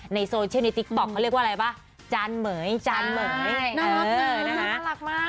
ในโซเชียลในติ๊กต๊อกเขาเรียกว่าอะไรป่ะจานเหม๋ยจานเหม๋ยน่ารักเลยนะคะน่ารักมาก